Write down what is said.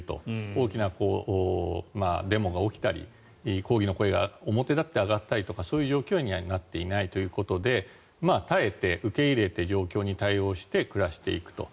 大きなデモが起きたり抗議の声が表立って上がったりとかそういう状況にはなっていないということで耐えて、受け入れて状況に対応して暮らしていくと。